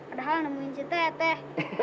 ada hal nemuin si tep tep